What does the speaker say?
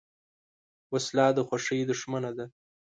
وسله د خوښۍ دښمن ده